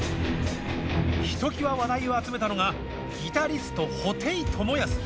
ひときわ話題を集めたのがギタリスト布袋寅泰。